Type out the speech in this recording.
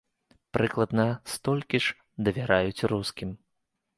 Прыкладна столькі ж давяраюць рускім.